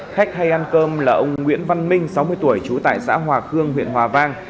khách hay ăn cơm là ông nguyễn văn minh sáu mươi tuổi trú tại xã hòa khương huyện hòa vang